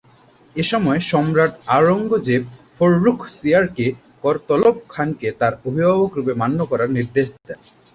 এ সময় সম্রাট আওরঙ্গজেব ফররুখ সিয়ারকে করতলব খানকে তার অভিভাবকরূপে মান্য করার নির্দেশ দেন।